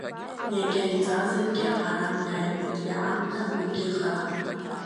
Егьа иҵазаргьы ҳарам, иааиуеит иаамҭа, уигь харам…